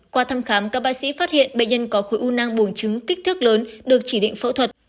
qua thăm khám các bác sĩ phát hiện bệnh nhân có khối u nang buồn trứng kích thước lớn được chỉ định phẫu thuật